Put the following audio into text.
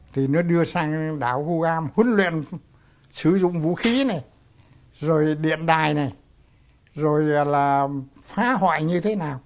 thì nó đưa sang đảo go gam huấn luyện sử dụng vũ khí này rồi điện đài này rồi là phá hoại như thế nào